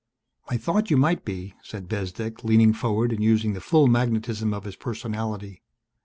"I thought you might be," said Bezdek, leaning forward and using the full magnetism of his personality.